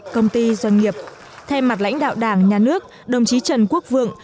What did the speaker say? công ty doanh nghiệp thay mặt lãnh đạo đảng nhà nước đồng chí trần quốc vượng